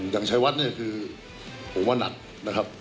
อย่างชัยวัดเนี่ยคือผมว่านักนะครับ